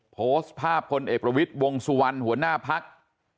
โพสต์ภาพพลเอกประวิทย์วงสุวรรณหัวหน้าพัก